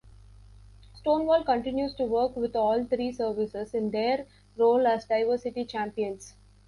Stonewall continues to work with all three services in their role as diversity champions.